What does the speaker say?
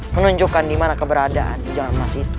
menunjukkan dimana keberadaan di jalan emas itu